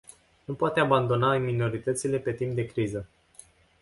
Nu poate abandona minoritățile pe timp de criză.